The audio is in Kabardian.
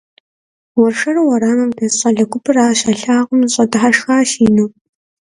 Уэршэру уэрамым дэс щӏалэ гупым ар щалъагъум, зэщӏэдыхьэшхащ ину.